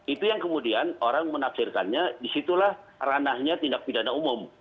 itu yang kemudian orang menafsirkannya disitulah ranahnya tindak pidana umum